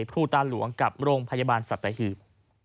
ผู้ตานหลวงกับโรงพยาบาลสัตว์ไตเฮียบ